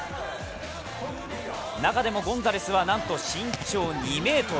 中でもゴンザレスはなんと身長２ｍ。